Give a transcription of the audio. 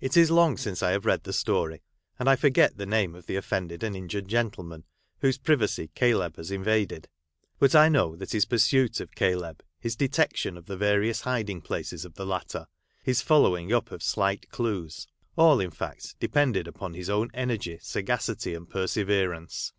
It is long since I have read the story, and I forget the name of the offended and injured gentleman, whose privacy Caleb has invaded ; but I know that his pursuit of Caleb — his detection of the various hiding places of the latter — his following up of slight clues — all, in fact, depended upon his own energy, sagacity, and perseverance.